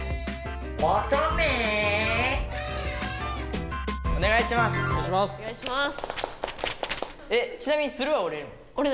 お願いします！